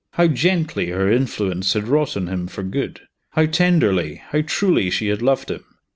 How gently her influence had wrought on him for good! how tenderly, how truly, she had loved him.